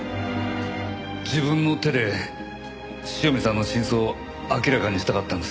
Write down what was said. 自分の手で塩見さんの真相を明らかにしたかったんです。